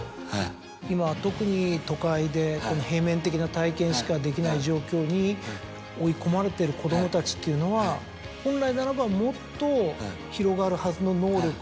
今特に都会で平面的な体験しかできない状況に追い込まれてる子供たちというのは本来ならばもっと。